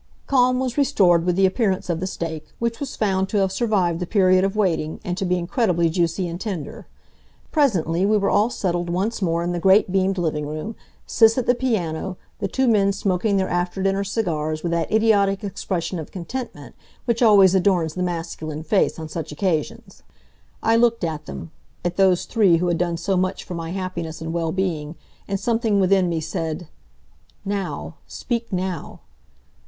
Calm was restored with the appearance of the steak, which was found to have survived the period of waiting, and to be incredibly juicy and tender. Presently we were all settled once more in the great beamed living room, Sis at the piano, the two men smoking their after dinner cigars with that idiotic expression of contentment which always adorns the masculine face on such occasions. I looked at them at those three who had done so much for my happiness and well being, and something within me said: "Now! Speak now!"